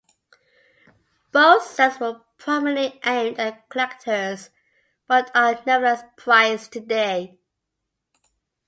Both sets were primarily aimed at collectors, but are nevertheless prized today.